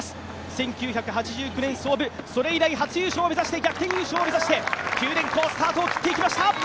１９８９年創部、それ以来初優勝、逆転優勝を目指して九電工、スタートを切っていきました。